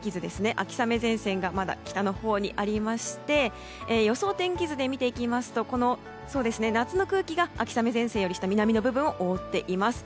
秋雨前線がまだ北のほうにありまして予想天気図で見ていきますと夏の空気が秋雨前線より下南の部分を覆っています。